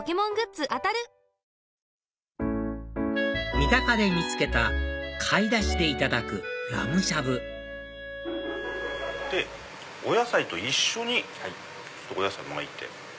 三鷹で見つけた貝ダシでいただくラムしゃぶお野菜と一緒にお野菜を巻いて。